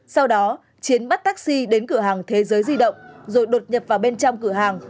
sau đó chiến bắt taxi đến cửa hàng thế giới di động rồi đột nhập vào bên trong cửa hàng